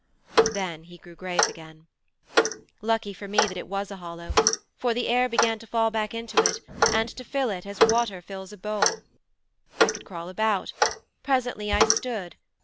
Then he grew grave again. 'Lucky for me that it was a hollow. For the air began to fall back into it and to fill it as water fills a bowl. I could crawl about. Presently I stood.